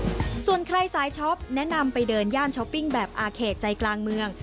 ส่วนใครสายช็อปแนะนำไปเดินย่านช้อปปิ้งแบบอาเขตใจกลางเมือง